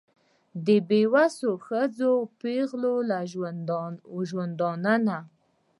د بېوسو ښځو پېغلو له ژوندونه